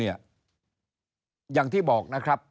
อย่างที่บอกนะครับ